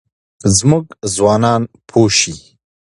زموږ ځوانان پوه شي.